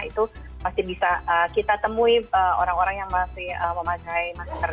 itu masih bisa kita temui orang orang yang masih memakai masker